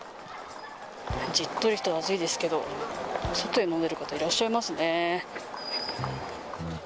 じっとりと暑いですけど、外で飲んでる方、いらっしゃいますね。